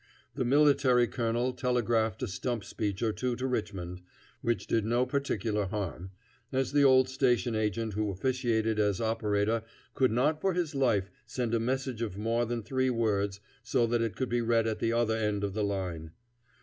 The militia colonel telegraphed a stump speech or two to Richmond, which did no particular harm, as the old station agent who officiated as operator could not for his life send a message of more than three words so that it could be read at the other end of the line.